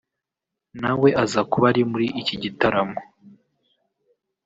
nawe aza kuba ari muri iki gitaramo